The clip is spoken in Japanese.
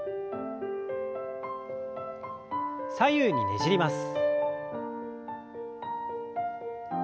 左右にねじります。